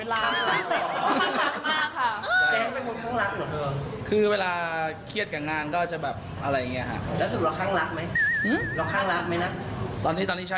หู้ยแค่ภาพครั้งลักษณ์เข้ามาขนาดนี้คุณผู้ชม